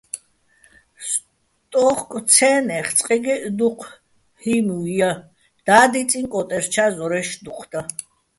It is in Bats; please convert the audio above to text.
სტო́უხკო̆-ცე́ნეხ წყეგეჸ დუჴ ჰიმუჲ ჲა-ე́ და́დიწიჼ კო́ტერჩა́ ზორაჲშ დუჴ და.